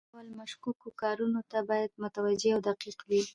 هر ډول مشکوکو کارونو ته باید متوجه او دقیق وي.